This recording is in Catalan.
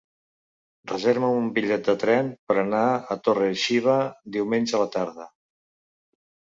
Reserva'm un bitllet de tren per anar a Torre-xiva diumenge a la tarda.